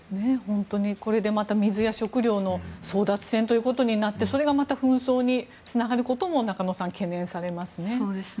これでまた水や食料の争奪戦ということになってそれがまた紛争につながることも中野さん、懸念されますね。